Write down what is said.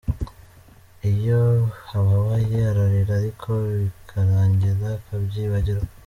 Iyo ababaye ararira ariko bikarangira akabyibagirwa.